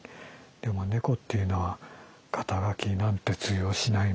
でも猫っていうのは肩書なんて通用しないままで生きている。